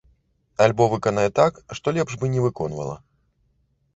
Альбо выканае так, што лепш бы не выконвала.